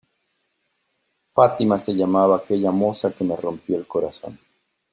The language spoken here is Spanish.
Fátima, se llamaba aquella moza que me rompió el corazón.